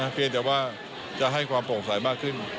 เพียงแต่ว่าจะให้ความโปร่งใสมากขึ้น